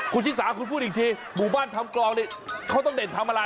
คุณชิสาคุณพูดอีกทีหมู่บ้านทำกลองนี่เขาต้องเด่นทำอะไร